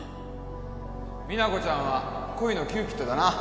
実那子ちゃんは恋のキューピッドだな